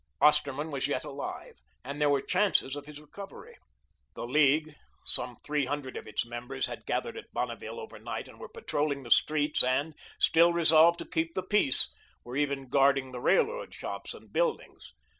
Osterman was yet alive and there were chances of his recovery. The League some three hundred of its members had gathered at Bonneville over night and were patrolling the streets and, still resolved to keep the peace, were even guarding the railroad shops and buildings.